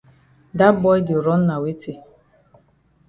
Dat boy di run na weti?